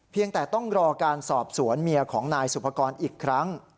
แต่ต้องรอการสอบสวนเมียของนายสุภกรอีกครั้ง